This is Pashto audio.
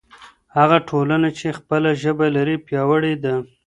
هغه ټولنه چې خپله ژبه لري پیاوړې ده.